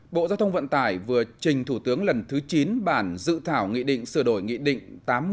bộ giao thông vận tải vừa trình thủ tướng lần thứ chín bản dự thảo nghị định sửa đổi nghị định tám mươi sáu hai nghìn một mươi bốn